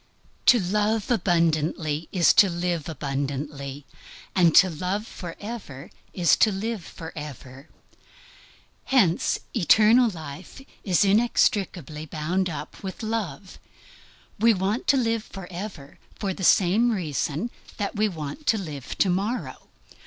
To love abundantly is to live abundantly, and to love forever is to live forever. Hence, eternal life is inextricably bound up with love. We want to live forever for the same reason that we want to live to morrow.